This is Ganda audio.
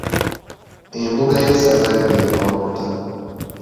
Embuga y'essaza lino eri Mawokota.